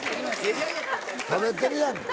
食べてるやんけ。